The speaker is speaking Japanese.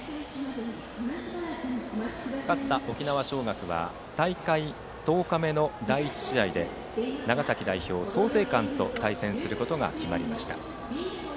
勝った沖縄尚学は大会１０日目の第１試合で長崎代表の創成館と対戦することが決まりました。